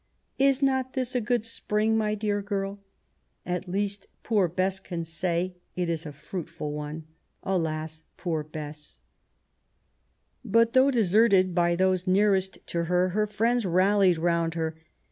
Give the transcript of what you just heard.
Is not this a good spring, my dear girl ? At least poor Bess can say it is a fruitful one. Alas, poor Bess I But, though deserted by those nearest to her, her friends rallied round her.